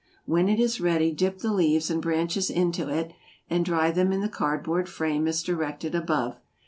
When it is ready dip the leaves and branches into it, and dry them in the card board frame as directed above.